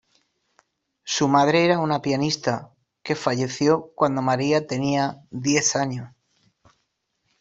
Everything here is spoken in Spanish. Su madre era una pianista que falleció cuando Maria tenía diez años.